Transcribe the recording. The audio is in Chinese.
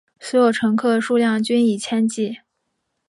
所有乘客数量均以千计。